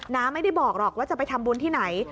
ไม่ได้บอกหรอกว่าจะไปทำบุญที่ไหน